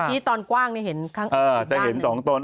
มากตอนกว้างนี้เห็นข้างบ้าน